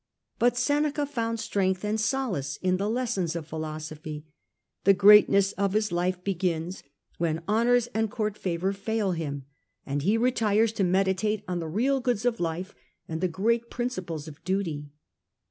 But Seneca found strength and solace in the lessons of philosophy ; the greatness of his life begins when honours and court favour fail him, and he retires to meditate on the real goods of life and the great principles of duty.